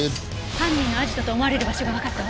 犯人のアジトと思われる場所がわかったわ。